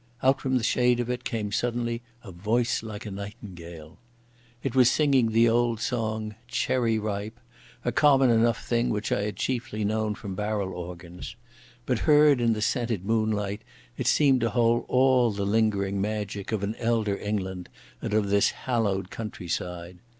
Out from the shade of it came suddenly a voice like a nightingale. It was singing the old song "Cherry Ripe", a common enough thing which I had chiefly known from barrel organs. But heard in the scented moonlight it seemed to hold all the lingering magic of an elder England and of this hallowed countryside.